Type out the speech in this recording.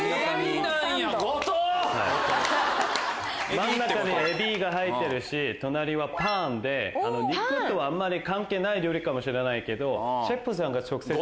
真ん中にエビが入ってるし隣はパンで肉とあまり関係ない料理かもしれないけどシェフさんが直接。